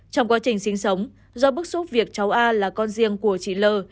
trong quá trình sinh sống do bức xúc việc cháu a là con riêng của chị l